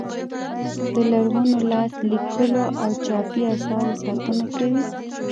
د لرغونو لاس لیکلو او چاپي اثارو ساتنه کوي.